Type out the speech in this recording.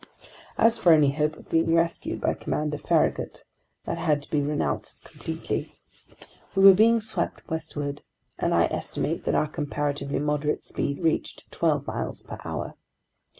As for any hope of being rescued by Commander Farragut, that had to be renounced completely. We were being swept westward, and I estimate that our comparatively moderate speed reached twelve miles per hour.